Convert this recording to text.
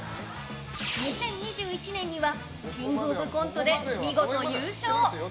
２０２１年には「キングオブコント」で見事優勝。